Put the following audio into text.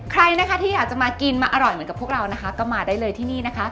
ใครนะคะที่อยากจะมากินมาอร่อยเหมือนกับพวกเรานะคะก็มาได้เลยที่นี่นะคะ